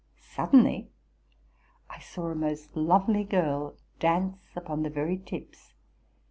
Suddenly I saw a most lovely girl dance upon the very tips.